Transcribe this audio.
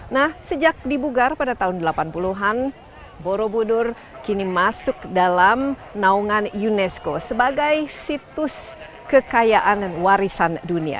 nah sejak dibugar pada tahun delapan puluh an borobudur kini masuk dalam naungan unesco sebagai situs kekayaan dan warisan dunia